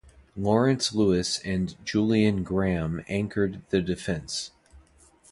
Lawrence Lewis and Julian Graham anchored the defense.